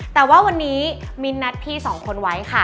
แต่ว่าวันนี้มิ้นนัดพี่สองคนไว้ค่ะ